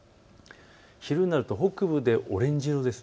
昼になると北部でオレンジ色です。